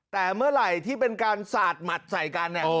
แต่เมื่อไหร่ที่เป็นการสาดหมัดใส่กันเนี่ย